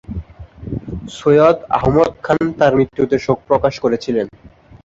সৈয়দ আহমদ খান তার মৃত্যুতে শোক প্রকাশ করেছিলেন।